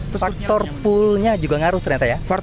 faktor pulnya juga ngaruh ternyata ya